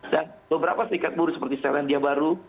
dan beberapa serikat buru seperti selandia baru